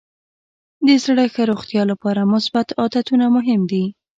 د زړه ښه روغتیا لپاره مثبت عادتونه مهم دي.